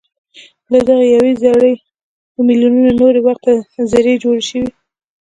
له دغه يوه زړي په ميليونونو نور ورته زړي جوړ شي.